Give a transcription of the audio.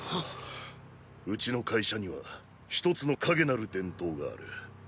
ウチの会社にはひとつの陰なる伝統がある。